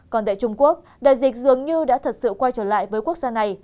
còn tại trung quốc đại dịch dường như đã thật sự quay trở lại với quốc gia này